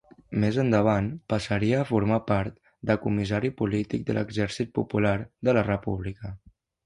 Més endavant passaria a formar part de comissari polític de l'Exèrcit Popular de la República.